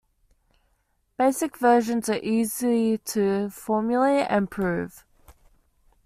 Basic versions are easy to formulate and prove.